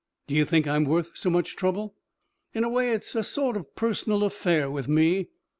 "Do you think I'm worth so much trouble?" "In a way it's a sort of personal affair with me.